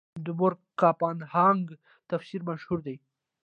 د بور کپنهاګن تفسیر مشهور دی.